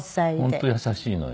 本当優しいのよ。